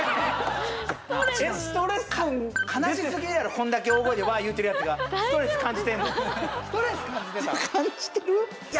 悲しすぎるやろこんだけ大声でワー言うてるやつがストレス感じてんのストレス感じてた？